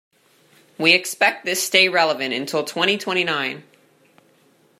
We expect this stay relevant until twenty-twenty-nine.